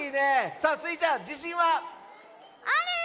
さあスイちゃんじしんは⁉ある！